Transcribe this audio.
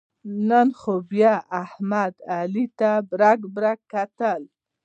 نن خو بیا احمد علي ته برگ برگ کتل.